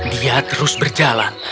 dia terus berjalan